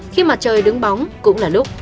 khi mặt trời đứng bóng cũng là lúc